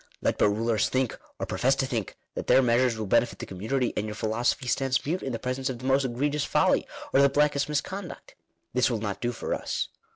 Let but rulers think, or profess to think, that their measures will benefit the community, and your philosophy stands mute in the presenoe of the most egregious folly, or the blackest misconduct This will not do for us.